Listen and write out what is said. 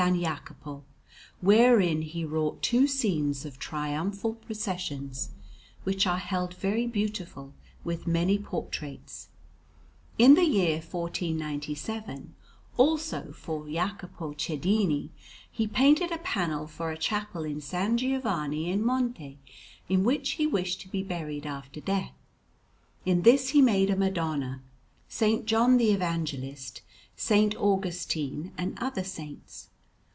Jacopo, wherein he wrought two scenes of triumphal processions, which are held very beautiful, with many portraits. In the year 1497, also, for Jacopo Chedini, he painted a panel for a chapel in S. Giovanni in Monte, in which he wished to be buried after death; in this he made a Madonna, S. John the Evangelist, S. Augustine, and other saints.